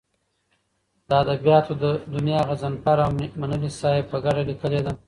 د ادبیاتو دونیا غضنفر اومنلی صاحب په کډه لیکلې ده.